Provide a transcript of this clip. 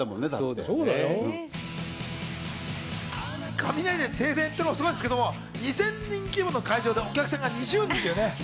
雷で停電っていうのもすごいですけど、２０００人規模の会場でお客さんが２０人ってね。